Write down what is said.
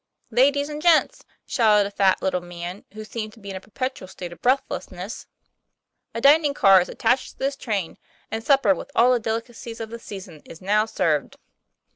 * Ladies and gents! " shouted a fat little man, who seemed to be in a perpetual state of breathlessness, "a dining car is attached to this train; and supper, with all the delicacies of the season, is now served."